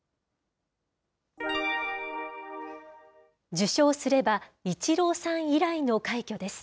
受賞すれば、イチローさん以来の快挙です。